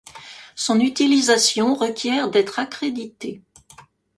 Son utilisation requiert d’être accrédité.